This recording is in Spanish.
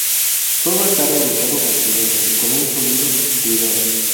Todo está realizado con cuidado y con un sonido cuidado.